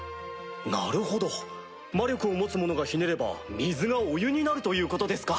なるほど魔力を持つ者がひねれば水がお湯になるということですか。